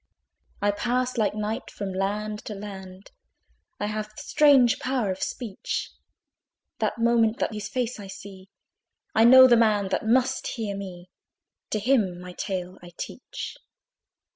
I pass, like night, from land to land; I have strange power of speech; That moment that his face I see, I know the man that must hear me: To him my tale I teach.